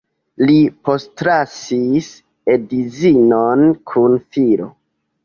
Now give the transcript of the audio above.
Li postlasis edzinon kun filo.